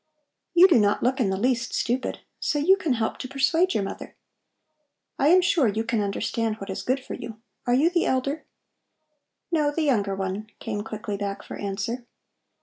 You do not look in the least stupid, so you can help to persuade your mother. I am sure you can understand what is good for you. Are you the elder?" "No, the younger one," came quickly back for answer.